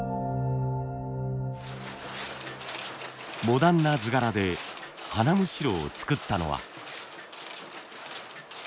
モダンな図柄で花莚を作ったのは。